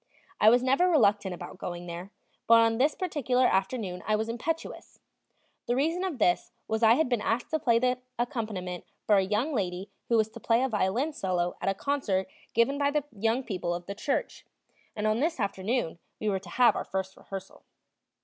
I was never reluctant about going there, but on this particular afternoon I was impetuous. The reason of this was I had been asked to play the accompaniment for a young lady who was to play a violin solo at a concert given by the young people of the church, and on this afternoon we were to have our first rehearsal.